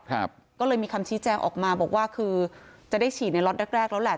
ครับก็เลยมีคำชี้แจงออกมาบอกว่าคือจะได้ฉีดในล็อตแรกแรกแล้วแหละ